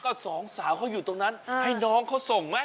ก็สองสาวเขาอยู่ตรงนั้นให้น้องเขาส่งไหม